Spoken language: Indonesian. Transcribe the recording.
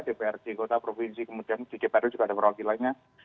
dprd kota provinsi kemudian di dprd juga ada perwakilannya